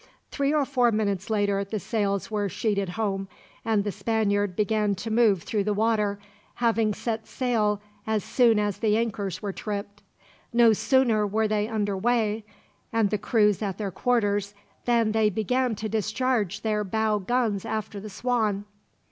Three or four minutes later the sails were sheeted home, and the Spaniard began to move through the water, having set sail as soon as the anchors were tripped. No sooner were they under weigh, and the crews at their quarters, than they began to discharge their bow guns after the Swan.